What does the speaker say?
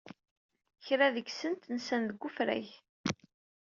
Kra deg-sent nsan deg ufrag.